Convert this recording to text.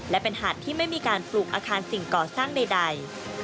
และเป็นหาดที่ไม่มีการปลูกอาคารสิ่งก่อสร้างใด